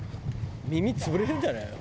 「耳潰れるんじゃないの？